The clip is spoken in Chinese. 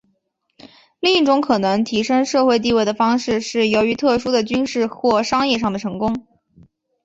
另一种可能提升社会地位的方式是由于特殊的军事或商业上的成功。